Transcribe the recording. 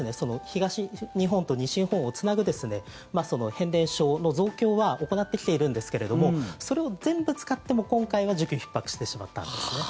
東日本と西日本をつなぐ変電所の増強は行ってきているんですけれどもそれを全部使っても今回は需給がひっ迫してしまったんですね。